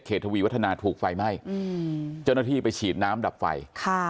ทวีวัฒนาถูกไฟไหม้อืมเจ้าหน้าที่ไปฉีดน้ำดับไฟค่ะ